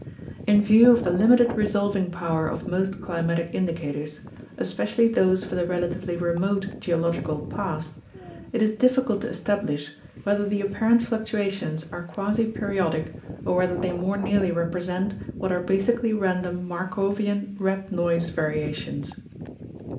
In view of the limited resolving power of most climatic indicators, especially those for the relatively remote geological past, it is difficult to establish whether the apparent fluctuations are quasi periodic or whether they more nearly represent what are basically random Markov ian "red noise" variations.